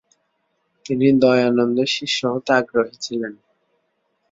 তিনি দয়ানন্দের শিষ্য হতে আগ্রহী ছিলেন।